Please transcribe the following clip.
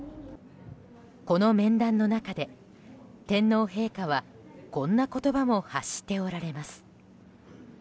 この面談の中で天皇陛下はこんな言葉も発しておられます。